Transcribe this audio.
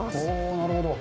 なるほど。